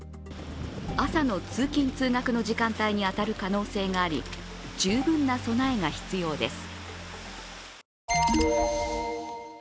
朝の通勤通学の時間帯に当たる可能性があり十分な備えが必要です。